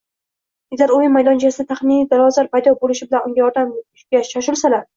agar o‘yin maydonchasida taxminiy dilozor paydo bo‘lishi bilan unga yordamga shoshilsalar